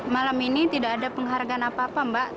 malam ini tidak ada penghargaan apa apa mbak